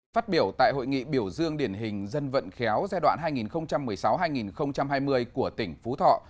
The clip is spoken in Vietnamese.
phát biểu tại hội nghị biểu dương điển hình dân vận khéo giai đoạn hai nghìn một mươi sáu hai nghìn hai mươi của tỉnh phú thọ